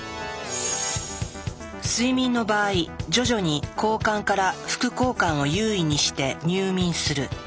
睡眠の場合徐々に交感から副交感を優位にして入眠する。